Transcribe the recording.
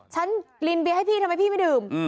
ลินเบียร์ให้พี่ทำไมพี่ไม่ดื่ม